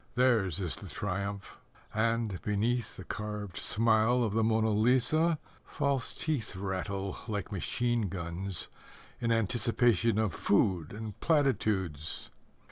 Theirs is the triumph, And, beneath The carved smile of the Mona Lisa, False teeth Rattle Like machine guns, In anticipation Of food and platitudes.